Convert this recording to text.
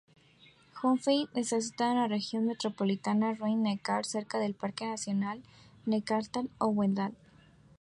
Hoffenheim está situado en la región metropolitana Rhein-Neckar, cerca del Parque Nacional Neckartal-Odenwald.